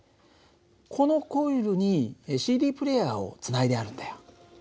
このコイルにＣＤプレーヤーをつないであるんだよ。